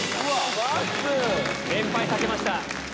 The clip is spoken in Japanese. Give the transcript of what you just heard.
連敗避けました。